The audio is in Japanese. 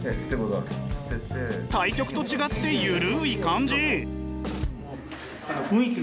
対局と違って緩い感じ！